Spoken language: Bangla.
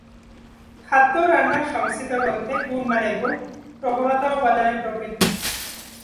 খাদ্য ও রান্নার সংস্কৃত গ্রন্থে, গুণ মানে গুণ, প্রবণতা ও উপাদানের প্রকৃতি।